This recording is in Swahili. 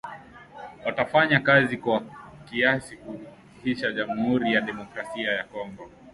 watafanya kazi kwa kasi kuhakikisha Jamuhuri ya Demokrasia ya Kongo